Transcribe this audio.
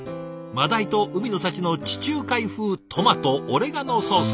真鯛と海の幸の地中海風トマトオレガノソース。